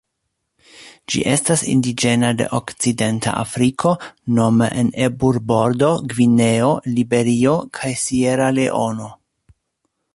Ĝi estas indiĝena de Okcidenta Afriko nome en Eburbordo, Gvineo, Liberio kaj Sieraleono.